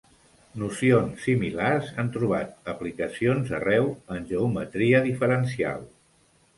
Nocions similars han trobat aplicacions arreu en geometria diferencial.